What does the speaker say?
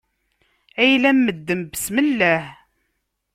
Ayla n medden besmelleh!